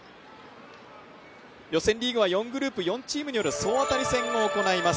予選リーグは４グループ、４チームによる総当たり戦が行われます。